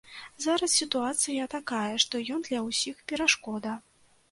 Зараз сітуацыя такая, што ён для ўсіх перашкода.